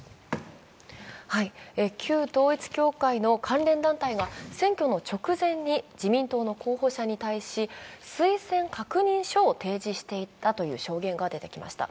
旧統一教会の関連団体が選挙の直前に自民党の候補者に対し推薦確認書を提示していたという証言が出てきました。